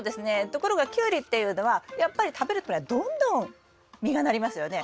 ところがキュウリっていうのはやっぱり食べる頃にはどんどん実がなりますよね。